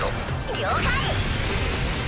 了解！